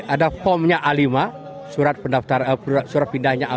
ada formnya a lima surat pindahnya a